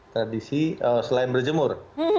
tradisi selain berjemur